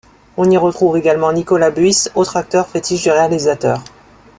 On y retrouve également Nicolas Buysse, autre acteur fétiche du réalisateur.